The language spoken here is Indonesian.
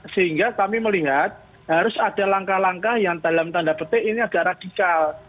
sehingga kami melihat harus ada langkah langkah yang dalam tanda petik ini agak radikal